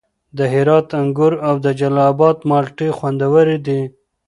د هرات انګور او د جلال اباد مالټې خوندورې دي.